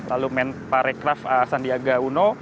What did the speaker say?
lalu menparekraf sandiaga uno